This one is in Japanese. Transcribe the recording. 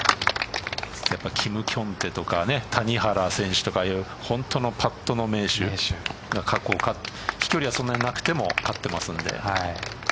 金庚泰とか谷原選手とか本当のパットの名手が過去飛距離はそんなになくても勝っていますんで。